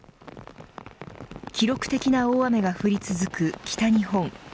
記録的な大雨が降り続く北日本。